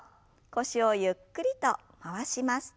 腰をゆっくりと回します。